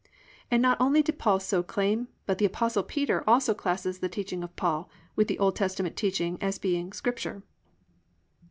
And not only did Paul so claim, but the Apostle Peter also classes the teaching of Paul with the O. T. teaching as being "Scripture."